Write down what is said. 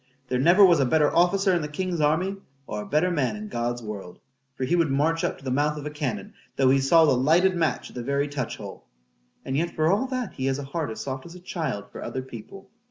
—There never was a better officer in the king's army,—or a better man in God's world; for he would march up to the mouth of a cannon, though he saw the lighted match at the very touch hole,—and yet, for all that, he has a heart as soft as a child for other people.